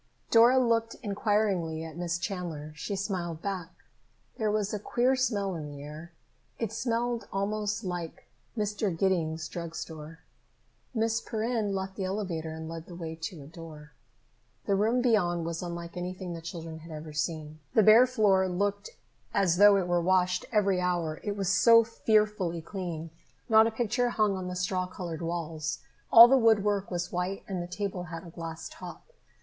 Dora looked inquiringly at Miss Chandler. She smiled back. There was a queer smell in the air. It smelled almost like Mr. Giddings' drug store. Miss Perrin left the elevator and led the way to a door. The room beyond was unlike anything the children had ever seen. The bare floor looked as though it were washed every hour, it was so fearfully clean! Not a picture hung on the straw colored walls. All the woodwork was white and the table had a glass top.